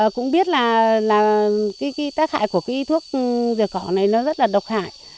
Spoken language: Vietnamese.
cũng biết là cái tác hại của cái thuốc diệt cỏ này nó rất là độc hại